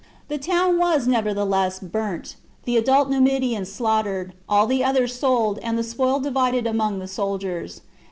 The town was, nevertheless, burnt, the adult Numidians slaughtered, all the others sold, and the spoil divided among the soldiers.